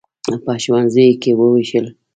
په ښوونځیو کې ووېشل.